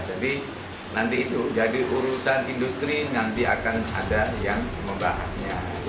jadi nanti itu jadi urusan industri nanti akan ada yang membahasnya